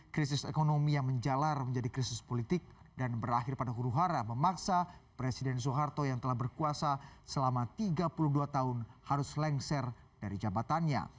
krisis ekonomi yang menjalar menjadi krisis politik dan berakhir pada huru hara memaksa presiden soeharto yang telah berkuasa selama tiga puluh dua tahun harus lengser dari jabatannya